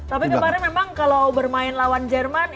tapi kemarin memang kalau bermain lawan jerman